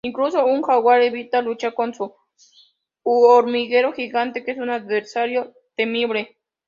Incluso un jaguar evita luchar con un hormiguero gigante, que es un adversario temible.